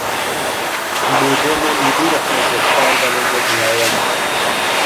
मोजे में नींबू रखने से पैर बनेंगे मुलायम...